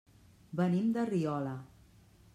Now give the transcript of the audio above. Venim de Riola.